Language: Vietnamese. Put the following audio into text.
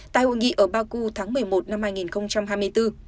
tại hội nghị ở baku tháng một mươi một năm hai nghìn hai mươi bốn